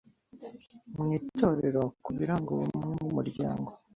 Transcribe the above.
mu itorero, ku biranga ubumwe mu muryango